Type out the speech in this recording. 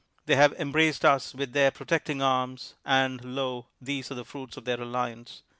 They have em braced us with their protecting arms — and, lo, these are the fruits of their alliance."